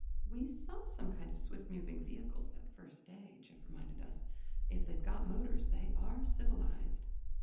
"We saw some kind of swift moving vehicles the first day," Jeff reminded us. "If they've got motors, they are civilized."